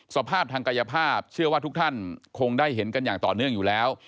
สภาพทางกายภาพเชื่อว่าทุกท่านคงได้เห็นกันอย่างต่อเนื่องอยู่แล้ว